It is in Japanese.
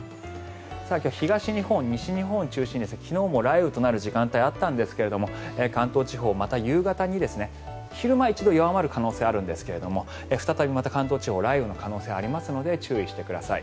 東日本、西日本を中心に昨日も雷雨となる時間帯があったんですが関東地方、昼間一度弱まる可能性があるんですが再びまた関東地方雷雨の可能性がありますので注意してください。